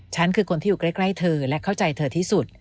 คือคนที่อยู่ใกล้เธอและเข้าใจเธอที่สุด